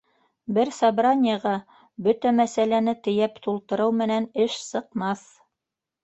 Бер собраниеға бөтә мәсьәләне тейәп тултырыу менән эш сыҡмаҫ.